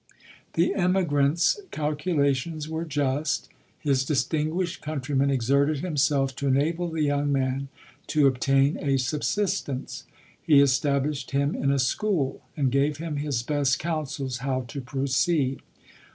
The emigrant's calculations were just. lli> distinguished countryman exerted himself to enable the young man to obtain a subsistence. He established him in a school, and gave him his best counsels how to proceed.